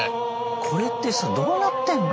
これってさどうなってんの？